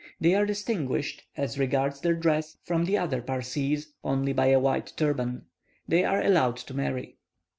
They are distinguished, as regards their dress, from the other Parsees, only by a white turban. They are allowed to marry.